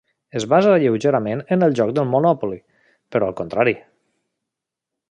Es basa lleugerament en el joc Monopoly, però al contrari.